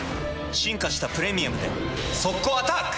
進化した「プレミアム」で速攻アタック！